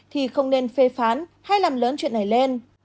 thì không nên phê phán hay làm lớn chuyện này lên